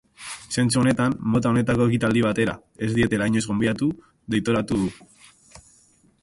Zentzu honetan, mota honetako ekitaldi batera ez dietela inoiz gonbidatu deitoratu du.